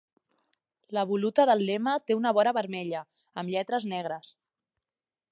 La voluta del lema té una vora vermella, amb lletres negres.